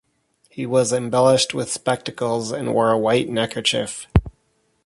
He was embellished with spectacles, and wore a white neckerchief.